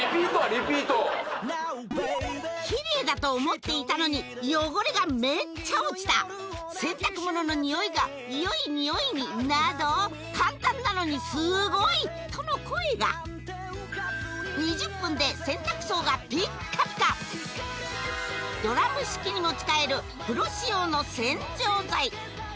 リピートキレイだと思っていたのに汚れがメッチャ落ちた洗濯物のにおいがよいにおいになど簡単なのにすごいとの声が２０分で洗濯槽がピッカピカドラム式にも使えるプロ仕様の洗浄剤